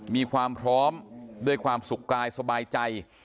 มีความพร้อมด้วยความสุขกายสบายใจ